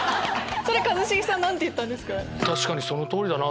一茂さん何て言ったんですか？